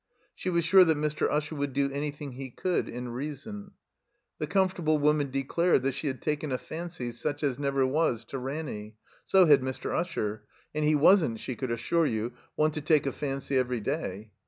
She was sure that Mr. Usher would do anything he could, in reason. The comfortable woman declared that she had taken a fancy such as never was to Ranny, so had Mr. Usher, and he wasn't, she could assure you, one to take a fancy every day.